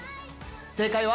正解は。